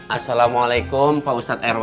assalamualaikum pak ustadz rw